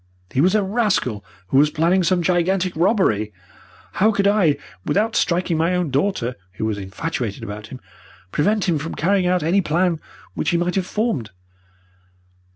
He was a rascal who was planning some gigantic robbery. How could I, without striking my own daughter, who was infatuated about him, prevent him from carrying out any plan which he might have formed?